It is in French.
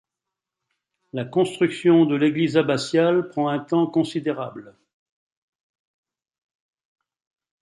La construction de l’église abbatiale prend un temps considérable.